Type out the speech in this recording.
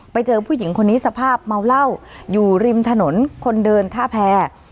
ไปเจอผู้หญิงคนนี้สภาพเมาเหล้าอยู่ริมถนนคนเดินท่าแพร